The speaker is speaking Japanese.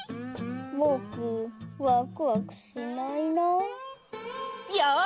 ぼくワクワクしないな。